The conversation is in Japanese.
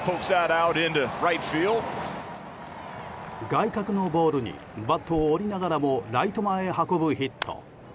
外角のボールにバットを折りながらもライト前へ運ぶヒット。